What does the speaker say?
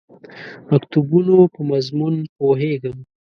مکتوبونو په مضمون پوهېږم.